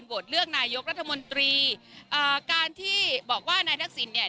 เลือกนายกรัฐมนตรีเอ่อการที่บอกว่านายทักษิณเนี่ย